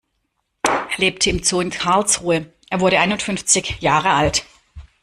Er lebte im Zoo in Karlsruhe, er wurde einundfünfzig Jahre alt.